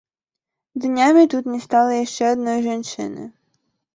Днямі тут не стала яшчэ адной жанчыны.